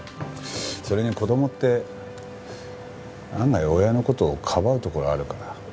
それに子どもって案外親の事をかばうところあるから。